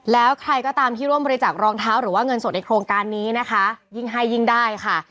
แล้วใครก็ตามที่ร่วมบริจาครองเท้าหรือว่าเงินสดในโครงการนี้นะคะยิ่งให้ยิ่งได้ค่ะ